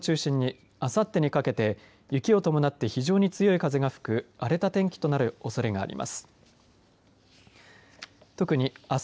このため北日本の日本海側や北陸を中心にあさってにかけて雪を伴って非常に強い風が吹く荒れた天気となるおそれがあります。